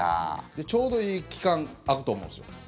ちょうどいい期間空くと思うんですよ。